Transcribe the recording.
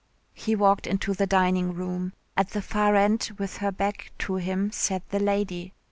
He walked into the dining room. At the far end with her back to him sat the lady.